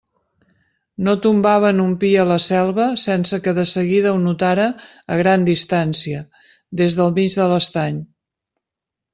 No tombaven un pi a la selva sense que de seguida ho notara a gran distància, des del mig de l'estany.